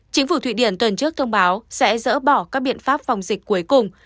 chính phủ thụy điển tuần trước thông báo sẽ dỡ bỏ các biện pháp phòng dịch cuối cùng